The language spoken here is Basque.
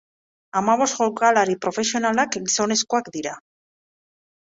Hamabost jokalari profesionalak gizonezkoak dira.